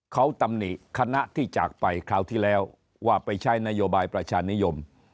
เขาตำหนิคณะที่จากไปคราวที่แล้วว่าไปใช้นโยบายประชานิยม